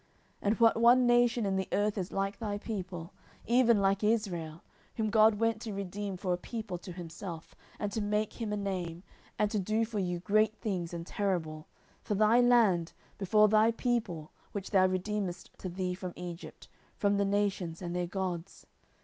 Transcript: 10:007:023 And what one nation in the earth is like thy people, even like Israel, whom God went to redeem for a people to himself, and to make him a name, and to do for you great things and terrible, for thy land, before thy people, which thou redeemedst to thee from Egypt, from the nations and their gods?